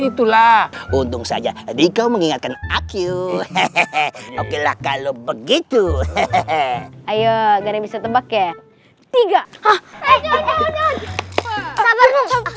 itulah untung saja youtube mengingatkan aku hehehe hebet judekeem tuhan padre ehh hai hai aku udah aku als hue dan itu sup merry pagi buat kamu hai toi melangkahkap atau nakaballai lu kalau kaji kamu bisa berhari bisa bersih sama ada belt curi kontak bayi cara bos boy ook the writing mindset pembeli kerja kelogic kepada kamu si